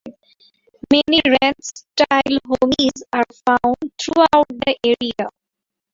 Many ranch-style homes are found throughout the area.